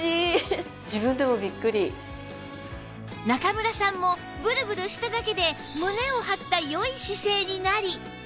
中村さんもブルブルしただけで胸を張った良い姿勢になり